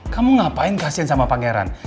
kamu ngapain kasian sama pangeran